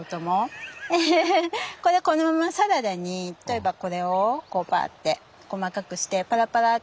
これこのままサラダに例えばこれをこうパッて細かくしてパラパラって。